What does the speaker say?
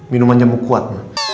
minuman jemuk kuat